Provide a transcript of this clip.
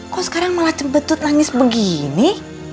kok sekarang malah terbetut nangis begini